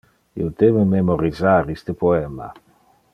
Io debe memorisar iste poema.